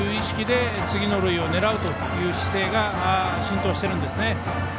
ふだんから、そういう意識で次の塁を狙うという姿勢が浸透しているんですね。